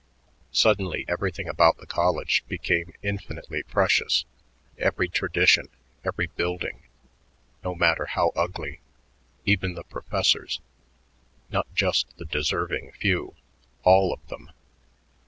Suddenly everything about the college became infinitely precious every tradition; every building, no matter how ugly; even the professors, not just the deserving few all of them.